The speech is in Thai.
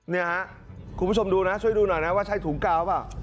เนี่ยฮะคุณผู้ชมดูนะช่วยดูหน่อยนะว่าใช่ถุงกาวเปล่า